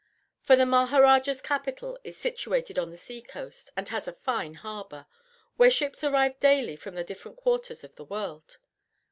For the Maharaja's capital is situated on the sea coast, and has a fine harbor, where ships arrive daily from the different quarters of the world.